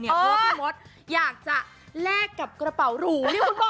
เพราะว่าพี่มดอยากจะแลกกับกระเป๋าหรู